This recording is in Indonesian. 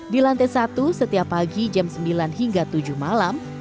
di lantai satu setiap pagi jam sembilan hingga tujuh malam